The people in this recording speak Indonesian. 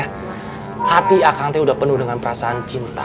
hati kak ngaceng tuh udah penuh dengan perasaan cinta